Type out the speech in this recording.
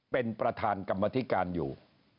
เป็นประธานกรรมธิการอยู่